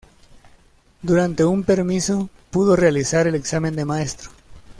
Durante un permiso pudo realizar el examen de Maestro.